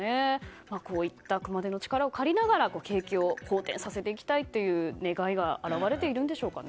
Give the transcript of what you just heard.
こういった熊手の力を借りながら景気を好転させていきたいという願いが表れているんでしょうかね。